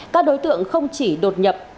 các đối tượng không chỉ đột nhập